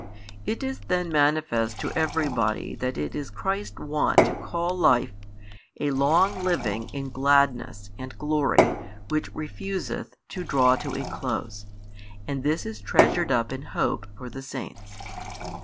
it is then manifest to every body that it is Christ's wont to call life, a long living in gladness and glory which refuseth to draw to a close, and this is treasured up in hope for the saints.